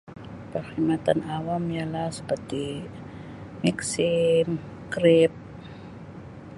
Perkhidmatan awam ialah seperti maxim grab